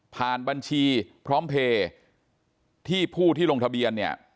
บัญชีพร้อมเพลย์ที่ผู้ที่ลงทะเบียนเนี่ย